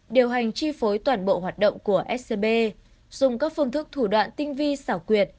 điều hành chi phối toàn bộ hoạt động của scb dùng các phương thức thủ đoạn tinh vi xảo quyệt